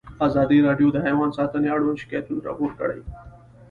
ازادي راډیو د حیوان ساتنه اړوند شکایتونه راپور کړي.